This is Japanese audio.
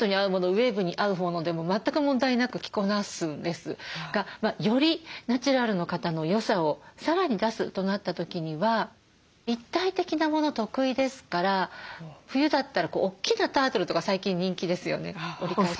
ウエーブに合うものでも全く問題なく着こなすんですがよりナチュラルの方の良さをさらに出すとなった時には立体的なもの得意ですから冬だったら大きなタートルとか最近人気ですよね折り返しの。